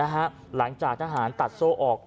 หลังจากทหารตัดโซ่ออก